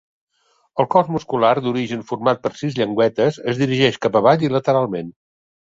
El cos muscular, d'origen format per sis llengüetes, es dirigeix cap avall i lateralment.